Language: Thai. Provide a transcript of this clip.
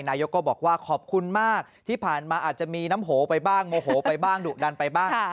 นายกก็บอกว่าขอบคุณมากที่ผ่านมาอาจจะมีน้ำโหไปบ้างโมโหไปบ้างดุดันไปบ้าง